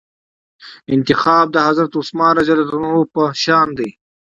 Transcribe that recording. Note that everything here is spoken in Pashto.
انتخاب د حضرت عثمان رضي الله عنه په شان دئ.